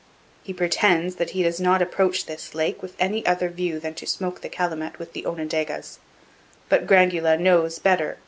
He pretends that he does not approach this lake with any other view than to smoke the calumet with the Onondagas. But Grangula knows better.